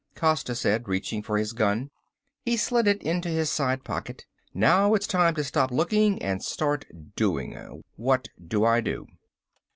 Costa said, reaching for his gun. He slid it into his side pocket. "Now it's time to stop looking and start doing. What do I do?"